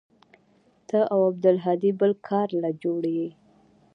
ته او عبدالهادي بل کار له جوړ يې.